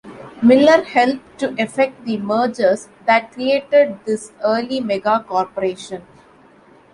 Miller helped to effect the mergers that created this early mega-corporation.